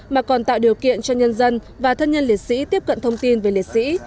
mà còn tạo điều kiện cho nhân dân và thân nhân liệt sĩ tiếp cận thông tin về liệt sĩ